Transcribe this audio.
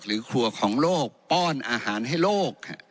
ครัวของโลกป้อนอาหารให้โลก